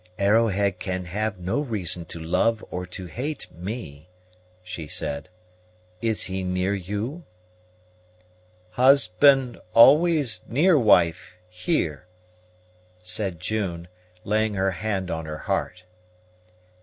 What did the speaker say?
"Arrowhead can have no reason to love or to hate me," she said. "Is he near you?" "Husband always near wife, here," said June, laying her hand on her heart.